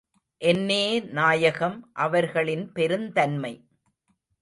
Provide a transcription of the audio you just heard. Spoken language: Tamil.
என்னே நாயகம் அவர்களின் பெருந்தன்மை!